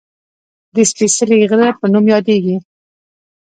د "سپېڅلي غره" په نوم یادېږي